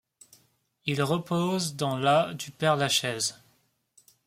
Il repose dans la du Père-Lachaise.